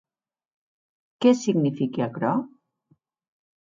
Qué signifique aquerò?